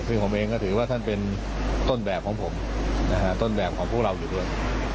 ซึ่งผมเองก็ถือว่าท่านเป็นต้นแบบของผมนะฮะต้นแบบของพวกเราอยู่ด้วย